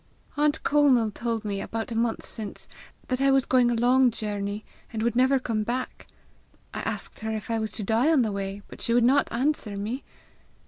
Aunt Conal told me, about a month since, that I was going a long journey, and would never come back. I asked her if I was to die on the way, but she would not answer me.